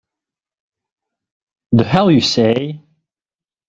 The hell you say!